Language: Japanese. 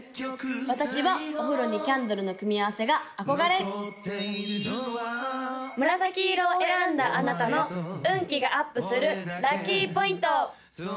私はお風呂にキャンドルの組み合わせが憧れ紫色を選んだあなたの運気がアップするラッキーポイント！